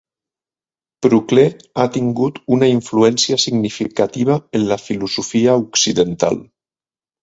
Procle ha tingut una influència significativa en la filosofia occidental.